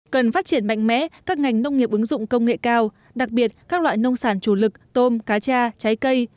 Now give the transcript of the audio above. cần phát triển mạnh mẽ các ngành nông nghiệp ứng dụng công nghệ cao đặc biệt các loại nông sản chủ lực tôm cá cha trái cây